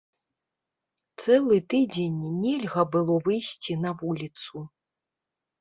Цэлы тыдзень нельга было выйсці на вуліцу.